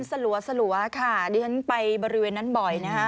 สลัวค่ะเดี๋ยวฉันไปบริเวณนั้นบ่อย